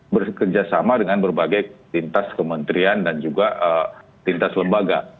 bekerjasama dengan berbagai tintas kementerian dan juga tintas lembaga